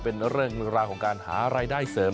เป็นเรื่องราวของการหารายได้เสริม